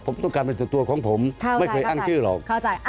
ผมต้องการเป็นส่วนตัวของผมไม่เคยอ้างชื่อหรอก